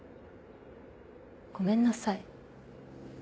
「ごめんなさい」？